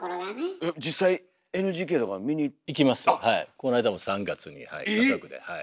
この間も３月に家族ではい。